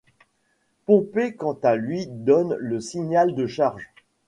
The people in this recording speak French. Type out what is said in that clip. Pompée quant à lui donne le signal de charge.